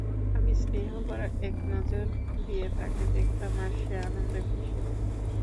আমি স্নেহ ভরা এক নজর দিয়ে তাকে দেখতাম আর সে আনন্দে ভেসে যেতো।